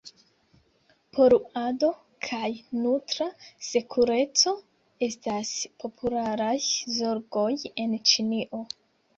Poluado kaj nutra sekureco estas popularaj zorgoj en Ĉinio.